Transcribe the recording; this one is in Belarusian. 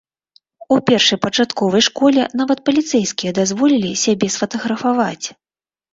У першай пачатковай школе нават паліцэйскія дазволілі сябе сфатаграфаваць.